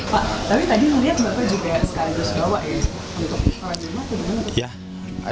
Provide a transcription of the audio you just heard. pak tapi tadi melihat bapak juga sekali just bawain